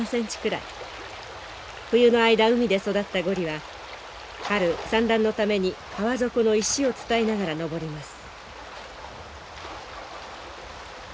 冬の間海で育ったゴリは春産卵のために川底の石を伝いながら上ります。